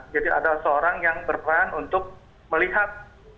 jadi ada seorang yang berperan untuk melihat